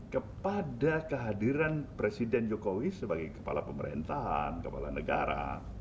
kepada kehadiran presiden jokowi sebagai kepala pemerintahan kepala negara